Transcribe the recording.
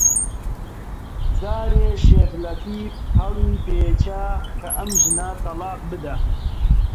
جارێ شێخ لەتیف هەڵیپێچا کە ئەم ژنە تەڵاق بدا